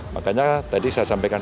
makanya tadi saya sampaikan